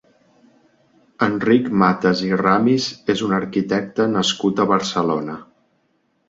Enric Matas i Ramis és un arquitecte nascut a Barcelona.